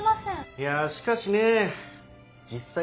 いやしかしねぇ実さい